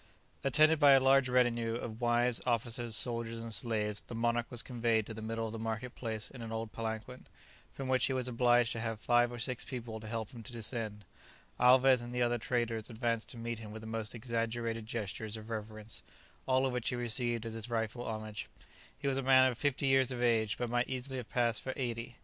Attended by a large retinue of wives, officers, soldiers, and slaves, the monarch was conveyed to the middle of the market place in an old palanquin, from which he was obliged to have five or six people to help him to descend. Alvez and the other traders advanced to meet him with the most exaggerated gestures of reverence, all of which he received as his rightful homage. He was a man of fifty years of age, but might easily have passed for eighty.